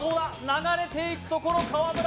流れていくところ河村